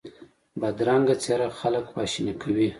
بدرنګه څېره خلک خواشیني کوي